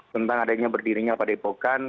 tentang adanya berdirinya padepokan